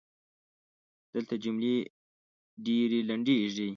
دلته جملې ډېري لنډیږي.